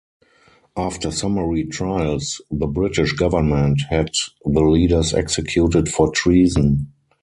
After summary trials, the British government had the leaders executed for treason.